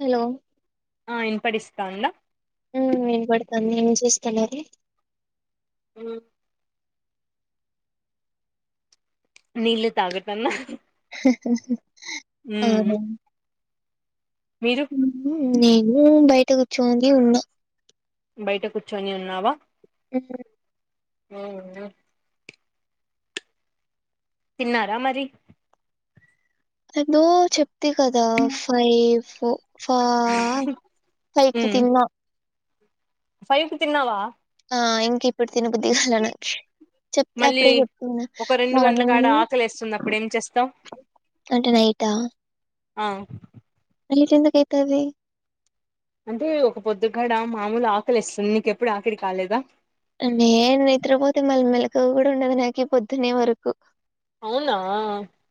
Hello ఆ వినపడిస్తాంద ఆ పడుతోంది ఏం చేస్తుంది ఉ నీళ్లు తాగుతున్న మ్మ్ అవును మీరు నేను బయట కూర్చుని ఉన్నా బయట కూర్చొని ఉన్నావా ఉ హు అవునా తిన్నారా మరి ఏదో చెప్పి కదా ఫైవ్ ఫ ఫైవ్ మ్మ్ తిన్నా ఫైవ్ కు తిన్నావా ఆ ఇంకా ఇప్పుడు తిన బుద్ధి కాలే చెప్తే మళ్ళీ అప్పుడే చెప్తున్నా ఒక రెండు గంటల మార్నింగ్ కాడ ఆకలేస్తుంది అప్పుడు ఏం చేస్తావ్ రిటర్న్ అయిత ఆ లేట్ ఎందుకు అయితది అంటే ఒక పొద్దుగాడ మామూలు ఆకలిస్తుంది నీకెప్పుడు ఆకలి కాలేదా నేను నిద్రపోతే మెలుకువ కూడా ఉండదు నాక పొద్దునే వరకు అవునా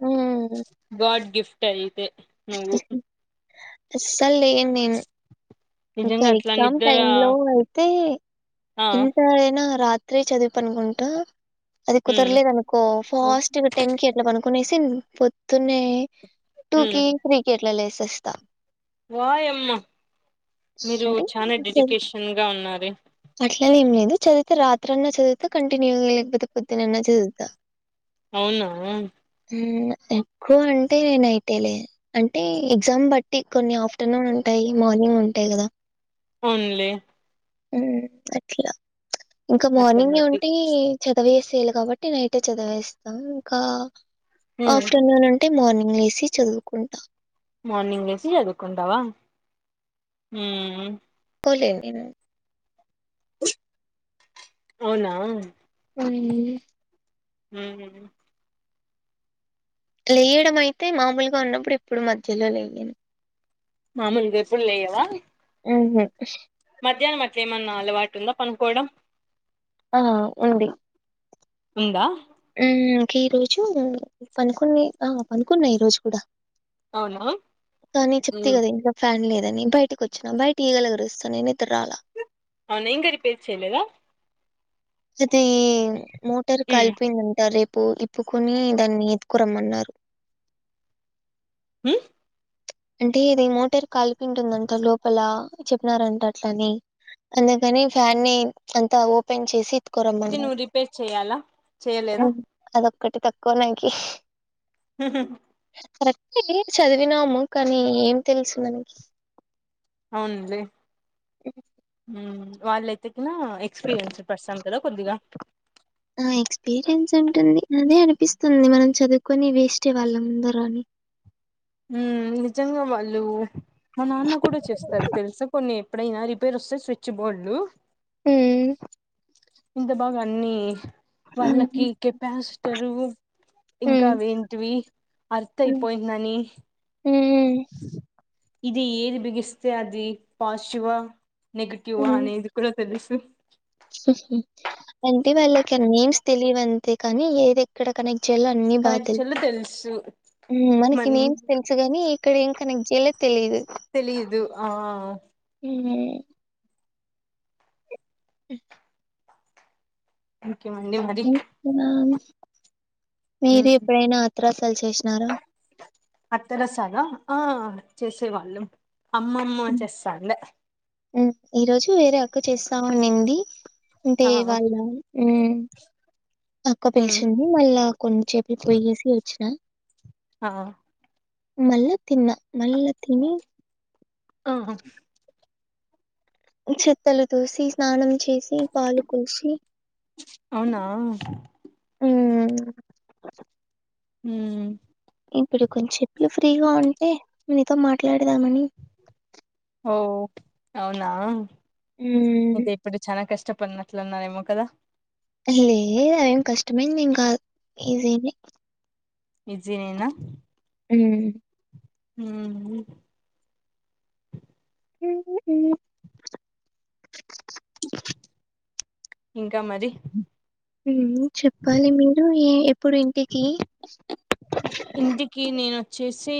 ఉమ్ గాడ్ గిఫ్ట్ అయితే నువ్వు అస్సలే నేను ఇంకా నిజంగా అట్లా ఎగ్జామ్ నిద్ర టైమ్ లో అయితే ఆ ఎంత అయినా రాత్రి చదివి పాడుకుంటా అది మ్మ్ కుదరలేదు అనుకో ఫాస్ట్ టెన్ కి అట్లా పను పడుకొనేసి పొద్దునే టూ మ్మ్ కి త్రీ కి అట్లా లేసేస్తా వాయమ్మ మీరు అంటే చాలా డెడికేషన్ గా ఉన్నరే అట్లనే ఏం లేదు చదివితే రాత్రన్న చదువుతా కంటిన్యూగా లేకపోతే పొద్దునన్న చదువుతా అవునా ఉమ్ ఎక్కువ అంటే నైట్ ఎలే అంటే ఎగ్జామ్ బట్టి కొన్ని ఆఫ్టర్నూన్ ఉంటాయి మార్నింగ్ ఉంటాయి కదా ఓన్లీ అట్లా ఇంకా అట్ల మార్నింగె బట్టి ఉంటే చదవేస్త కాబట్టి నైట్ చదివేస్తా ఇంకా ఆఫ్టర్నూన్ ఉంటే మార్నింగ్ లేసి చదువుకుంటా మార్నింగ్ లేసి చదువుకుంటావా ఉమ్ పోలే మీరు అవునా అవును ఉ లేయడం అయితే మామూలుగా ఉన్నప్పుడు ఎప్పుడు మధ్యలో లేవలెను మామూలుగా ఎప్పుడు ల్లేయవా ఉహు మధ్యాహ్నం అట్ల ఏమన్నా అలవాటు ఉందా పండుకోవడం ఆ ఉంది. ఉందా ఇంక ఈ రోజు పనుకొన్ని ఆ పనుకున్నా ఈ రోజు గూడా అవునా కానీ చెప్తి కదా ఇంట్లో ఫ్యాన్ లేదు అని బయటకి వచ్చినా బయట ఈగలు గరుస్తున్నయ్ నిద్దరాలే అవునా ఇంగ రిపేర్ చేయలేదా అది మోటార్ కాలిపోయిందంటా రే పు ఇప్పుకొని దాన్ని ఎత్తుకురమ్మన్నారు ఉమ్ అంటే ఇది మోటార్ కాలిపోయ్ ఉంటుందంట లోపల చెప్పినారంట అట్లని అందుకని ఫ్యాన్ని అంతా ఓపెన్ చేసి కొరమన్నారు నువ్వు రిపేర్ చెయ్యాలా చేయలేదా అదొక్కటి తక్కువ నాకి ఉహూ కరెక్టే చదివినాము కానీ ఏం తెలుసు మనకి అవునులే [inaudible] ఉమ్ వాళ్ళయితే గినా ఎక్స్పీరియన్స్ పర్సన్ కదా కొద్దిగా ఎక్స్పీరియన్స్ ఉంటుంది అదే అనిపిస్తుంది మనం చదువుకొని వేస్టే వాళ్ళ ముందర అని ఉమ్ నిజంగా వాళ్ళు మా నాన్న కూడా చేస్తారు తెలుసా కొన్ని ఎప్పుడైనా రిపేర్ వస్తే స్విచ్ బోర్డులు ఉమ్ ఇంత బాగా అన్ని వాళ్ళకి కెపాసిటరు ఇంకా ఉమ్ అవేంటివి అర్థ్ అయిపోయిందని ఉమ్ ఇది ఏది బిగిస్తే అది పాశ్వువా నెగిటివా ఉమ్. అనేది కూడా తెలుసు అంటే వాళ్ళకి ఆ నేమ్స్ తెలియవంతే కానీ ఏది ఎక్కడ కనె చాలా అన్ని బాగా తెలుసు మనకి మన్ నేమ్స్ తెలుసుగాని ఎక్కడ ఏం కనెక్ట్ చేయాలో తెలీదు తెలియదు ఆ ఉమ్ [inaudible] కే మండి మరి ఇంకా మీరు ఎప్పుడైనా అత్రసాల్ చేసినారా అత్తర సాలా ఆ చేసేవాళ్ళు అమ్మమ్మ చేస్తాండ ఉమ్ ఈ రోజు వేరే అక్క చేస్తా ఉండింది అంటే ఆ వాళ్ళ ఉమ్ అక్క పిలిచింది మళ్ళా కొన్నిసేపటికి పోయేసి వచ్చిన ఆ మళ్ళ తిన్న మళ్ళ తిని ఆ చెత్తలు తూసి స్నానం చేసి పాలు కొలిచి అవునా ఉ ఉ ఇప్పుడు కొంచె చెపులు ఫ్రీగా ఉంటే నీతో మాట్లాడదామని ఓ అవునా హ్మ్ ఇంక ఇప్పుడు చానా కష్టం పన్నట్లున్న నేమో కదా లే అదేం కష్టమేనదెం కాదు ఈజీదే ఇజ్జినేనా ఉ ఉ ఇంకా మరి ఉ చెప్పాలి మీరు ఎ ఎప్పుడు ఇంటికి ఇంటికి నేను వచ్చేసి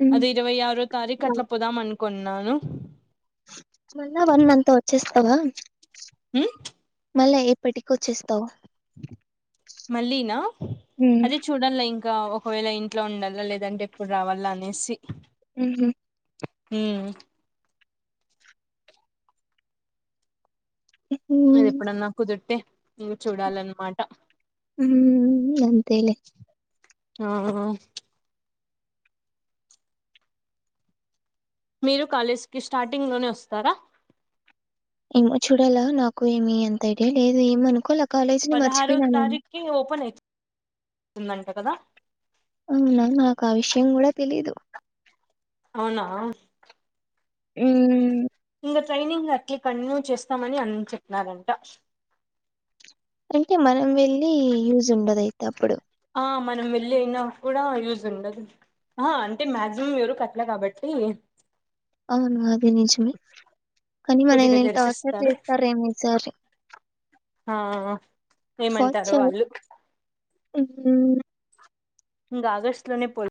హ్మ్ అది ఇరవై ఆరో తారీకు అట్లా పోదాం అనుకున్నాను మళ్ళ వన్ మంత్ వచ్చేస్తావా ఉ మళ్ళా ఎప్పటికకి వచ్చేస్తావు మళ్ళీనా హ్మ్ అదే చూడల్ల ఇం ఇంకా ఒకవేళ ఇంట్లో ఉండల్ల లేదంటే ఎప్పుడు రావాల్ల అనేసి ఉహు ఉ అది ఎప్పుడన్నా కుదుట్టే ఉ అంతేలే ఆ మీరు కాలేజీకి స్టార్టింగ్ లోనే వస్తారా ఏమో చూడాలా నాకు ఏమి అంత ఐడియా లేదు ఏమనుకోల పదహారో తారిక్కి ఓపెన్ అయితుందంట కదా అవునా నాకు ఆ విషయం కూడా తెలీదు అవునా ఉ ఇంగ ట్రైనింగ్ అట్లే కంటిన్యూ చేస్తామని అని చెప్పినారంట అయితే మనం వెళ్ళి యూజ్ ఉండదయితే అప్పుడు ఆ మనం వెళ్ళినా కూడా యూజ్ ఉండదు ఆ అంటే మాక్సిమం ఎవరు కట్లా కాబట్టి అవును అది నిజమే కాని కొద్దిగా మనల్ని టార్చర్ జరిపిస్తారు చేస్తారమో ఈసారి ఆ ఏమంటారు వాళ్ళు ఉ హు ఇంకా ఆగస్టు లోనే పొల్ల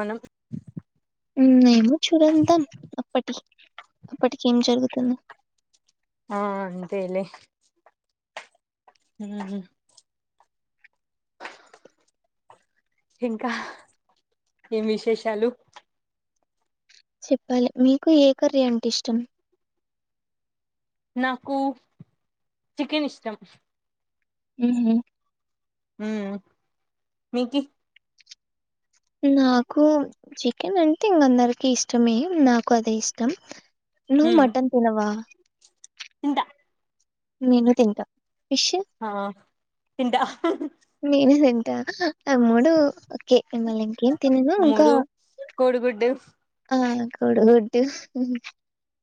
మనం ఉమ్ ఎమో చూడద్దాం అప్పటి అప్పటికి ఏం జరుగుతుందొ ఆ అంతేలే ఉ ఇంకా ఏం విశేషాలు చెప్పాలి మీకు ఏ కర్రీ అంటే ఇష్టం నాకు చికెన్ ఇష్టం ఉహు ఉ మీకి నాకు చికెన్ అంటే ఇంక అందరికి ఇష్టమే నాకు అదే ఇష్టం నువ్వు మటన్ తినవా తింట నేను తింటా ఫిష్? ఆ తింట నేనే తింటా ఆ మూడు ఓకే మళ్ళ ఇంకేం తినను ఇంకా మూడు కోడిగుడ్డు ఆ కొడిగుడ్డు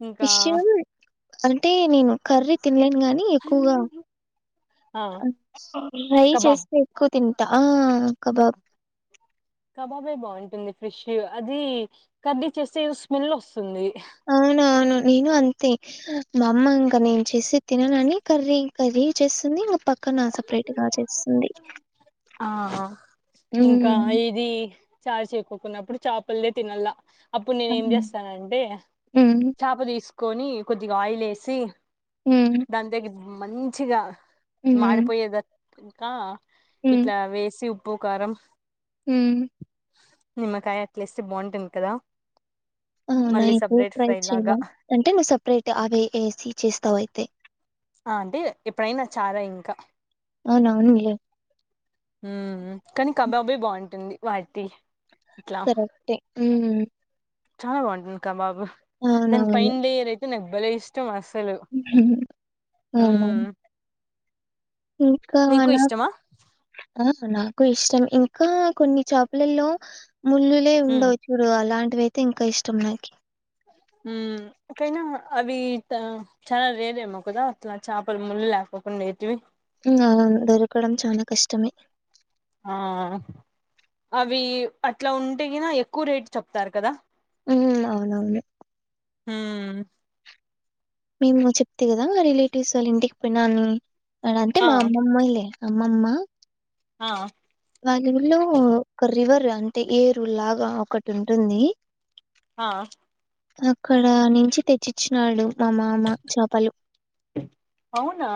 ఇంకా ఫిష్ అంటే నేను కర్ర్రి తిన్లేం కాని ఎక్కువగా ఆ ఫ్రై కబాబ్ చేస్తే ఎక్కువ తిం ఆ కబాబ్ కబాబే బాగుంటుంది. ఫ్రెష్ అది కర్రి చేస్తే స్మెల్ వస్తుంది తుంది అవునవును నేను అంతే మా అమ్మ ఇంకా నేను చేసిది తిననని కర్రీ కర్రీ చేస్తుంది. మా పక్క ఆ ఇంకా హ్మ్ ఇది చార్ చేసుకోకున్నప్పుడు చేపలే తినాల అప్పుడు నేను ఏం అవును. చేస్తానంటే హ్మ్ చేప తీసుకొని కొద్దిగా ఆయిల్ ఏసి హ్మ్ దాని దగ్గ మంచిగా హ్మ్ మారిపోయేదకా ఇట్లా వేసి ఉప్పు కారం హ్ నిమ్మ కాయ అట్లేస్తే బాగుంటుంది. కదా అవునా మళ్ళీ ఎప్పుడు సపరేట్ ట్రై ఫ్రై లాగా చెయ్యల అంటే నువ్వు సపరేట్ అవి వేసి చేస్తావు అయితే ఆ అంటే ఎప్పుడైనా చారే ఇంకా అవునావునులే ఉ కానీ కబాబే బాగుంటుంది. వాటి ఇట్లా కరెక్టే చాలా బాగుంటుంది. కబాబు దాని పై అవునవును. యర్ అయితే నాకు భలే ఇష్టం అ హ్ అవున ఇంకా నీకు ఇష్టమా నాకు నాకు ఇష్టం ఇంకా కొన్ని చేపలల్లో ముళ్ళులే మ్మ్ ఉండవు చుడు అలాం టీవీ అయితే ఇంకా ఇష్టం నాకి ఉ కైనా అవి చాలా రేరేమో కదా అట్లా చేపలు ముళ్ళ లేకపోకుండా ఏంటీ వీ ఇంగ దొరకడం చాల కష్టమే ఆ అవి అట్లా ఉంటే గీన ఎక్కువ రేట్ చెప్తారు కదా హ్మ్. అవునవును. హ్ మేము చెప్తే కదా మా రిలేటివ్స్ వాళ్ళ ఇంటికి పోయినా ఆని అ అంటే ఆ మా అమ్మమ్మ్లే అమ్ అమ్మా ఆ వాల్ల ఊరిలో ఒక రివర్ అంటే ఏరులాగా ఒకటి ఉంటుంది. ఆ అక్కడ నుంచి తెచ్చిచ్చినాడు మామా అమ్మ చేపలు అవునా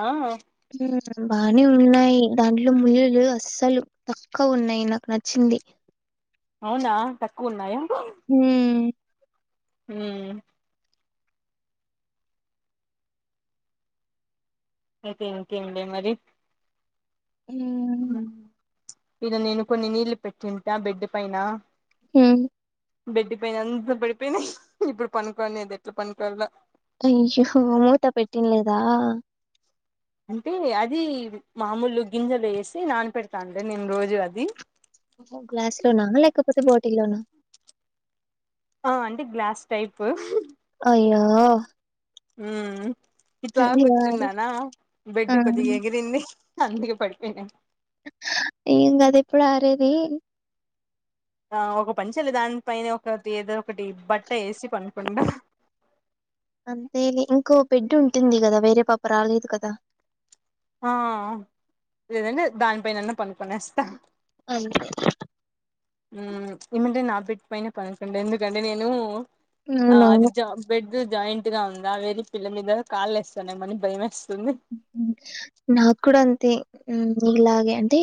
బాగానే ఉన్నాయి దాంట్లో ముళ్ళులు అస్సలు తక్కువ ఉన్నాయి నాకు నచ్చింది అవునా తక్కువ ఉన్నాయ హ్మ్ ఉ అయితే ఇంకేంలే మరి హ్మ్ ఈడ నేను కొన్ని నీళ్లు పెట్టింటా బెడ్డు పైన హ బెడ్డి పైన అంత పడిపెయ్ నాయ్ ఇబ్బుడు పనుకొనెదెట్ల పనుకోల్ల అయ్యో మూత పెట్టిండ్లేదా అంటే అది మామొలు గింజలు ఏసి నాన్ పెడ్ తాండ్రి నేను రోజు అది ఒహొ గ్లాస్ లోనా లేకపోతే బాటిల్లోనా ఆ అంటే గ్లాస్ టైపు అయ్యో ఉ ఇట్లా అది కాదు కుచ్చున్నానా ఆ బెడ్డు కొద్దిగా ఎగిరింది అందుకే పడిపెయ్ నాయ్ ఏందది ఎప్పుడు ఆరేది ఆ ఒక పని చెయల్లేదు దాన్ పైనే ఒకటి ఏదో ఒకటి బట్ట ఏసి పనుకుండా కో బెడ్డుంటుంది గదా వేరే పాప రాలేదు కదా హా లేదంటే దానిపైనన్న పనుకుొనేస్తా అంతేలె మ్ ఏమంటే నా బెడ్ పైనే పనుకుంట ఎందుకంటే నేను ఆ అది అవునవును జా బెడ్డం జాయింట్ గా ఉందా వేర పిల్ల మీద కాళ్ళు ఏస్తా నేమొ అని భయమేస్ ఉహు నాక్కూడా అంతే నీలాగే అంటే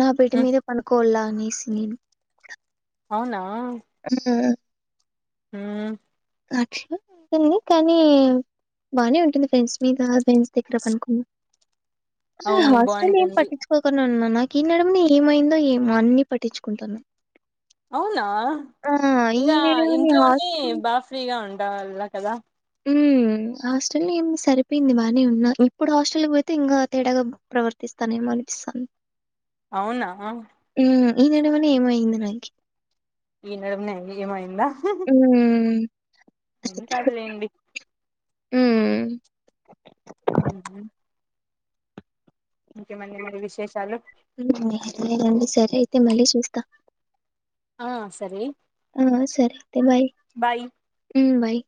నా బెడ్డు ఉమ్ మీదే పనుకోల్ల అనేసి నేను అవునా ఆ ఆ క్ష ఉంటంది కానీ బానే ఉంటుంది ఫ్రెండ్స్ మీద ఫ్రెండ్స్ దగ్గర పనుకున్న అరే అవును హాస్టలేమ్ బాగుంటుంది పట్టిచ్చుకోకున్న ఉన్నా నాకి ఈ నడుమునే ఏమైందో ఏమో అన్ని పట్టిచ్చుకుంటన్నా అవునా ఇంగ నడుమని ఇంట్లోనే హాస్టల్ బా ఫ్రీగా ఉండాల్ల కదా హాస్టల్లో ఏం సరిపేయింది బానే ఉన్నా ఇప్పుడు హాస్టల్లికి పోతె ఇంగా తేడాగా ప్రవర్తిస్తానేమొని సన్ అవునా ఈ నడమలె ఏమొ అయింది నాకి ఈ నడమనె ఏమొ అయింద అ ఏం కాదులేండి ఉ ఓహొ ఇంకేమండి మరి విశేషాలు నేన అండి సరే అయితే మళ్ళీ చూస్తా ఆ సరే ఆ సరే అయితే బాయ్ బాయ్ ఉమ్ బయ్